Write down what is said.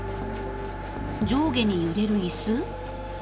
上下に揺れる椅子？